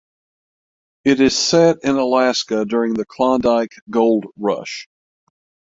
It is set in Alaska during the Klondike Gold Rush.